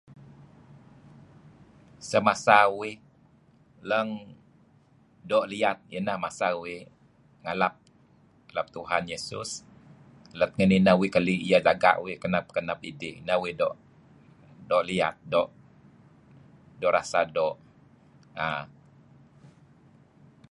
Semasa uih lang doo' liyat kinah masa uih ngalap lem Tuhan Yesus let ngan inah uih keli' iyeh jaga' uih kenep-kenep idih neh uih doo' liyat doo' rasa doo'. Ah.